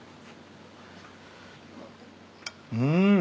うん。